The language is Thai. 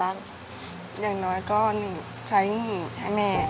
อย่างน้อยก็ใช้นี่ให้แม่